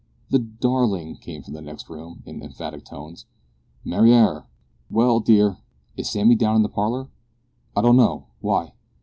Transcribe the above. "The darling!" came from the next room, in emphatic tones. "Mariar!" "Well, dear." "Is Sammy down in the parlour?" "I don't know. Why?"